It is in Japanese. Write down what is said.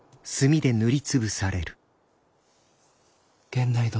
源内殿。